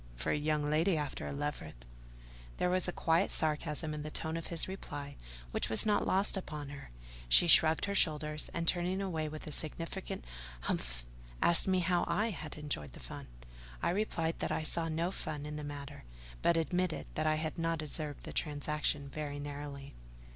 for a young lady after a leveret." There was a quiet sarcasm in the tone of his reply which was not lost upon her; she shrugged her shoulders, and, turning away with a significant "Humph!" asked me how I had enjoyed the fun. I replied that I saw no fun in the matter; but admitted that I had not observed the transaction very narrowly.